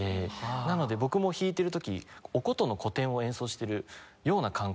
なので僕も弾いている時お箏の古典を演奏しているような感覚になりますね。